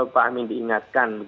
pak amin diingatkan